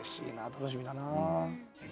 楽しみだな。